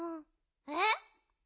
えっ？